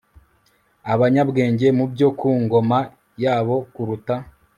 abanyabwenge mu byo ku ngoma yabo kuruta